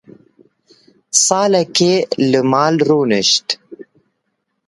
Salekê li mal rûnişt.